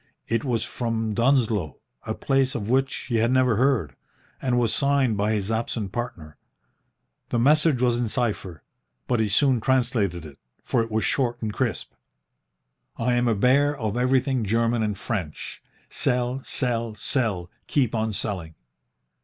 It was from Dunsloe, a place of which he had never heard, and was signed by his absent partner. The message was in cipher, but he soon translated it, for it was short and crisp. "I am a bear of everything German and French. Sell, sell, sell, keep on selling."